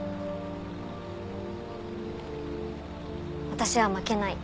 私は負けない。